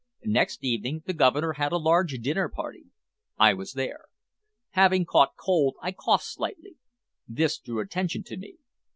Next evening the Governor had a large dinner party. I was there. Having caught cold, I coughed slightly; this drew attention to me.